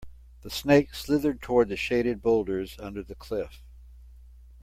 The snake slithered toward the shaded boulders under the cliff.